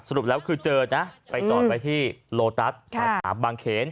รุปแล้วคือเจอนะไปจอดไว้ที่โลตัสสาขาบางเขน